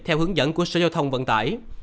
theo hướng dẫn của sở giao thông vận tải